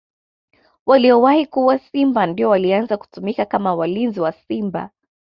Waliowahi kuua simba ndio walianza kutumika kama walinzi wa simba